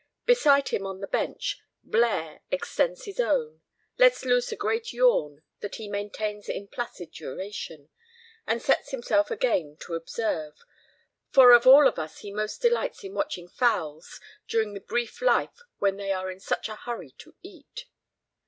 Beside him on the bench, Blaire extends his own, lets loose a great yawn that he maintains in placid duration, and sets himself again to observe, for of all of us he most delights in watching fowls during the brief life when they are in such a hurry to eat.